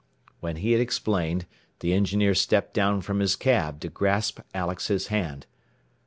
When he had explained the engineer stepped down from his cab to grasp Alex's hand.